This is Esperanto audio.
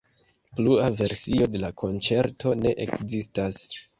Plua versio de la konĉerto ne ekzistas.